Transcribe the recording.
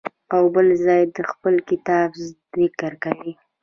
او بل ځای د خپل کتاب ذکر کوي.